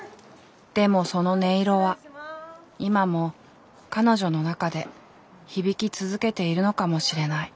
でもその音色は今も彼女の中で響き続けているのかもしれない。